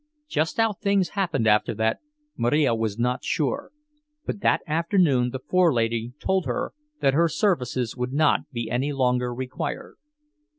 Just how things happened after that Marija was not sure, but that afternoon the forelady told her that her services would not be any longer required.